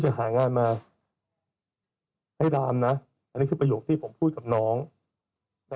หางานมาให้ดามนะอันนี้คือประโยคที่ผมพูดกับน้องนะ